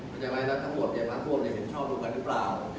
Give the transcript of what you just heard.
ไม่อย่างไรทั้งหมวดเนี่ยทั้งหมวดเนี่ยเห็นชอบดูกันหรือเปล่า